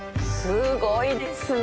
すごいですね